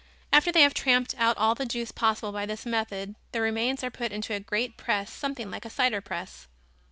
After they have tramped out all the juice possible by this method the remains are put into a great press something like a cider press.